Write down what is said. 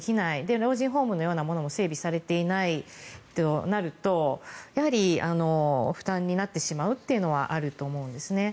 老人ホームのようなものも整備されていないとなるとやはり負担になってしまうというのはあると思うんですね。